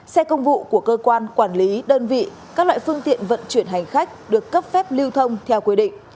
xe công vụ của cơ quan quản lý đơn vị các loại phương tiện vận chuyển hành khách được cấp phép lưu thông theo quy định